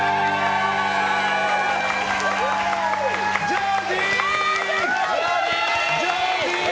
ジョージ！